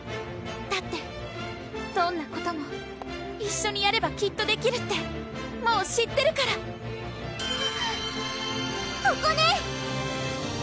だってどんなことも一緒にやればきっとできるってもう知ってるからここね！